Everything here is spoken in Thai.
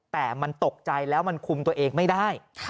แต่มันตกใจแล้วมันคุมตัวเองไม่ได้